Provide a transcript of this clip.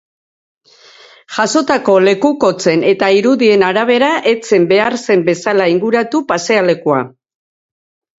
Jasotako lekukotzen eta irudien arabera, ez zen behar zen bezala inguratu pasealekua.